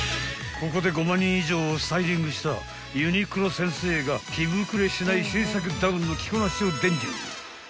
［ここで５万人以上をスタイリングしたユニクロ先生が着膨れしない新作ダウンの着こなしを伝授］